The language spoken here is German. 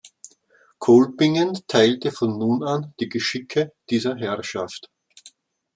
Kolbingen teilte von nun an die Geschicke dieser Herrschaft.